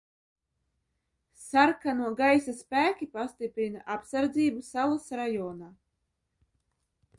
Sarkano gaisa spēki pastiprina apsardzību salas rajonā.